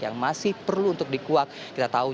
yang masih perlu untuk dikuak kita tahu